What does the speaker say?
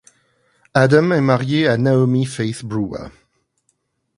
Adam est marié à Naomi Faith Brewer.